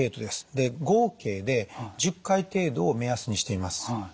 で合計で１０回程度を目安にしています。